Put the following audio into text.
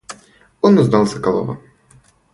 Он узнал Соколова.